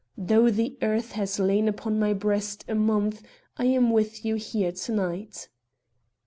Though the earth has lain upon my breast a month, I am with you here to night."